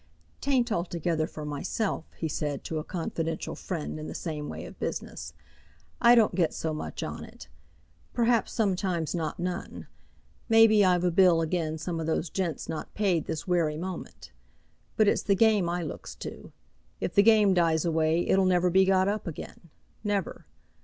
"'Tain't altogether for myself," he said to a confidential friend in the same way of business; "I don't get so much on it. Perhaps sometimes not none. May be I've a bill agin some of those gents not paid this werry moment. But it's the game I looks to. If the game dies away, it'll never be got up again; never.